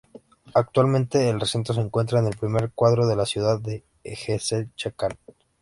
Actualmente el recinto se encuentra en el primer cuadro de la ciudad de Hecelchakán.